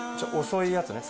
遅いやつね。